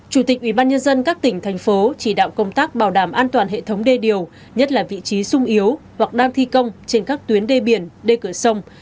chủ tịch ubnd các tỉnh thành phố chỉ đạo công tác bảo đảm an toàn hệ thống đê điều nhất là vị trí sung yếu hoặc đang thi công trên các tuyến đê biển đê cửa sông